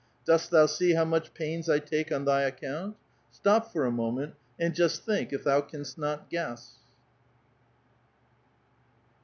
Dost thou see how much pains I take on th}' account? Stop for a moment, and just think if thou canst not guess